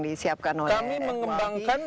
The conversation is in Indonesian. disiapkan oleh kami mengembangkan